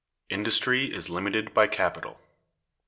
Industry is Limited by Capital.